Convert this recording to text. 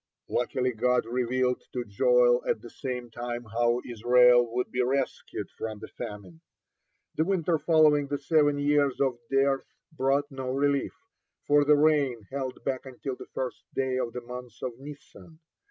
Luckily, God revealed to Joel at the same time how Israel would be rescued from the famine. The winter following the seven years of dearth brought no relief, for the rain held back until the first day of the month of Nisan.